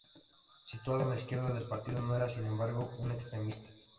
Situado en la izquierda del partido, no era, sin embargo, un extremista.